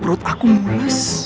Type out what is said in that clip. perut aku mulas